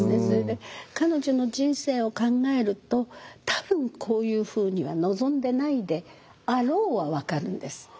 それで彼女の人生を考えると多分こういうふうには望んでないであろうは分かるんです。